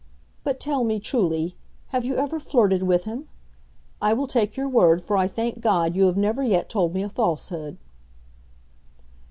But tell me truly, have you ever flirted with him? I will take your word, for I thank God you have never yet told me a falsehood!"